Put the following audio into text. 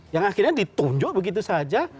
yang akhirnya ditunjuk begitu saja